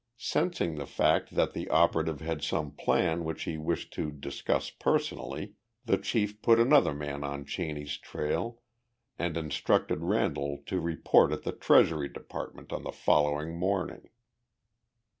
Sensing the fact that the operative had some plan which he wished to discuss personally, the chief put another man on Cheney's trail and instructed Randall to report at the Treasury Department on the following morning.